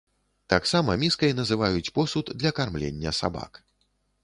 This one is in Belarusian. Таксама міскай называюць посуд для кармлення сабак.